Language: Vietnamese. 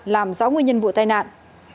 làm rõ nguyên nhân vụ tai nạn